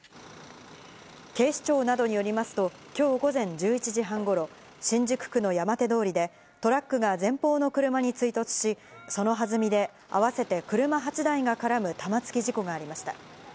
警視庁などによりますと、きょう午前１１時半ごろ、新宿区の山手通りで、トラックが前方の車に追突し、そのはずみで合わせて車８台が絡む玉突き事故がありました。